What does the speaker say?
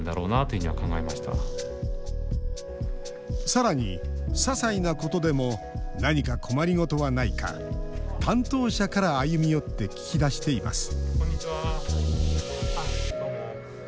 さらに、ささいなことでも何か困りごとはないか担当者から歩み寄って聞き出しています